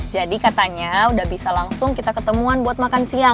jadi katanya udah bisa langsung kita ketemuan buat makan siang